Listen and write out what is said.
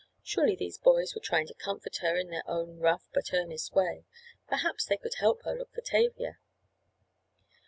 Surely these boys were trying to comfort her in their own rough but earnest way. Perhaps they could help her look for Tavia.